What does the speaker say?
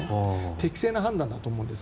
適正な判断だと思います。